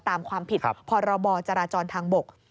ตามความผิดพรบจราจรทางบก